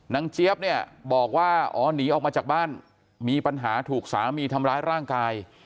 เจี๊ยบเนี่ยบอกว่าอ๋อหนีออกมาจากบ้านมีปัญหาถูกสามีทำร้ายร่างกาย